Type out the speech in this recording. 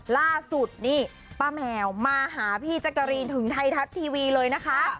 ล่าสุดนี่ป้าแมวมาหาพี่แจ๊กกะรีนถึงไทยทัศน์ทีวีเลยนะคะ